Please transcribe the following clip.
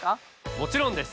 もちろんです！